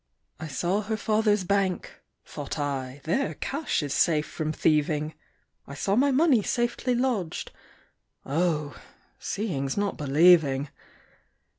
I saw her father's bank thought I, There cash is safe from thieving; I saw my money safely lodged: Oh! seeing's not believing!